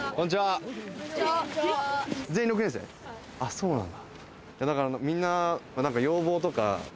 そうなんだ。